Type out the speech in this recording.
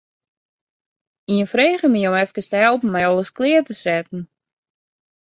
Ien frege my om efkes te helpen mei alles klear te setten.